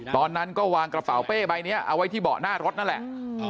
ตอนนั้นก็วางกระเป๋าเป้ใบนี้เอาไว้ที่เบาะหน้ารถนั่นแหละ